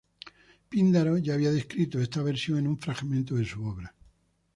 Píndaro ya había descrito esta versión en un fragmento de su obra.